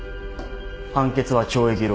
判決は懲役６年。